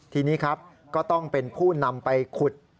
ทีนี้ครับก็ต้องเป็นผู้นำไปขุด